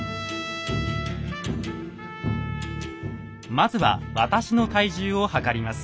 まずは私の体重を量ります。